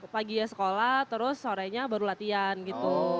pagi ya sekolah terus sorenya baru latihan gitu